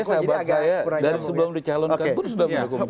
ya sahabat saya dari sebelum dicalonkan pun sudah mendukung